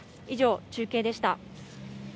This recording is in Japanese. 以上、中継でした。